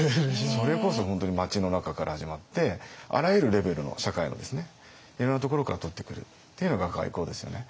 それこそ本当に街の中から始まってあらゆるレベルの社会のいろんなところからとってくるっていうのが外交ですよね。